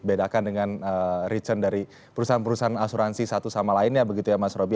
bedakan dengan return dari perusahaan perusahaan asuransi satu sama lainnya begitu ya mas roby